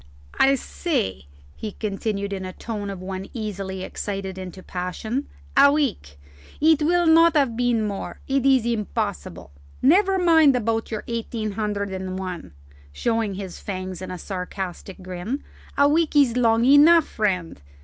"I say," he continued in the tone of one easily excited into passion, "a week. It will not have been more. It is impossible. Never mind about your eighteen hundred and one," showing his fangs in a sarcastic grin; "a week is long enough, friend.